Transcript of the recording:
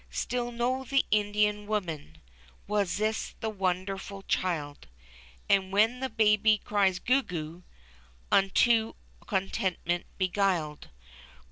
Still know the Indian women Wasis, the wonderful Child, And when the Baby cries goo goo, Unto contentment beguiled.